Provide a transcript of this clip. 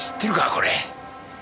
これ。